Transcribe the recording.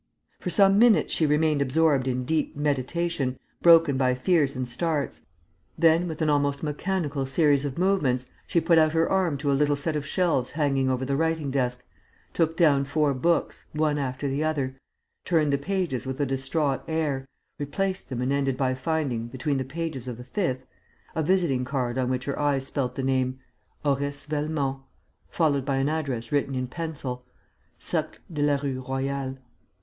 For some minutes she remained absorbed in deep meditation, broken by fears and starts. Then, with an almost mechanical series of movements, she put out her arm to a little set of shelves hanging over the writing desk, took down four books, one after the other, turned the pages with a distraught air, replaced them and ended by finding, between the pages of the fifth, a visiting card on which her eyes spelt the name: HORACE VELMONT, followed by an address written in pencil: CERCLE DE LA RUE ROYALE.